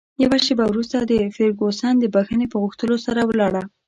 یوه شیبه وروسته فرګوسن د بښنې په غوښتلو سره ولاړه.